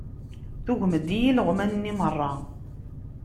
Tugem-d i ileɣman-nni meṛṛa.